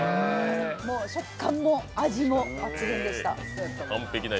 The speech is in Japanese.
食感も味も抜群でした。